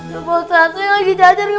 ya busan saya lagi cacat ya busan